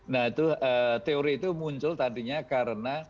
nah itu teori itu muncul tadinya karena